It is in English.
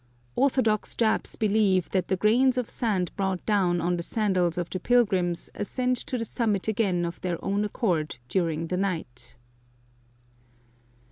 Orthodox Japs believe that the grains of sand brought down on the sandals of the pilgrims ascend to the summit again of their own accord during the night.